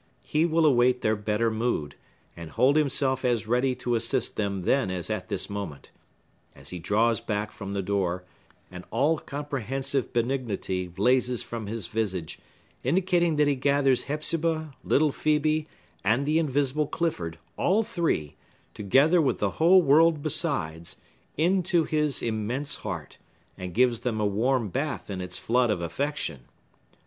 He will await their better mood, and hold himself as ready to assist them then as at this moment. As he draws back from the door, an all comprehensive benignity blazes from his visage, indicating that he gathers Hepzibah, little Phœbe, and the invisible Clifford, all three, together with the whole world besides, into his immense heart, and gives them a warm bath in its flood of affection.